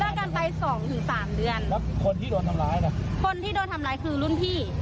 กันไปสองถึงสามเดือนแล้วคนที่โดนทำร้ายล่ะคนที่โดนทำร้ายคือรุ่นพี่